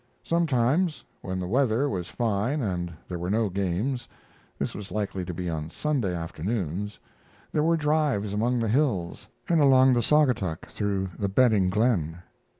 Sometimes, when the weather was fine and there were no games (this was likely to be on Sunday afternoons), there were drives among the hills and along the Saugatuck through the Bedding Glen.